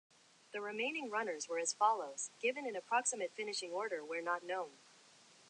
The remaining runners were as follows (given in approximate finishing order where not known).